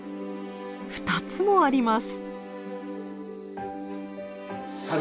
２つもあります。